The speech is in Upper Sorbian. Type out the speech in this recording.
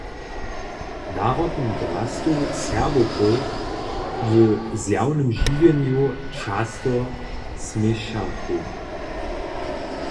Narodnu drastu Serbowkow w zjawnym žiwjenju často směšachu.